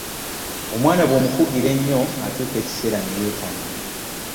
Omwana bwomukugira ennyo atuuka ekiseera ne yeetamwa.